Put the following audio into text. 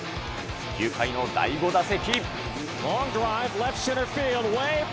９回の第５打席。